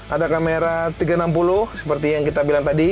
ada kamera tiga ratus enam puluh seperti yang kita bilang tadi